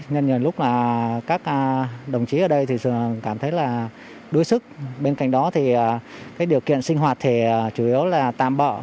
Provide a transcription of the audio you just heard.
nhiều lúc các đồng chí ở đây cảm thấy đuối sức bên cạnh đó điều kiện sinh hoạt chủ yếu là tạm bỡ